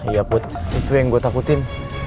ya put itu yang gue takutin